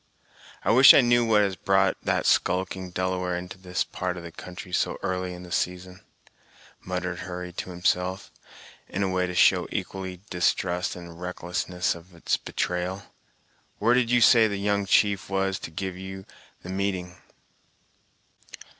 "I wish I knew what has brought that skulking Delaware into this part of the country so early in the season," muttered Hurry to himself, in a way to show equally distrust and a recklessness of its betrayal. "Where did you say the young chief was to give you the meeting?"